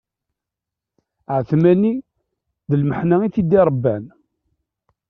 Ԑetmani d lmeḥna i t-id-iṛebban.